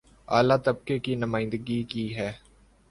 اعلی طبقے کی نمائندگی کی ہے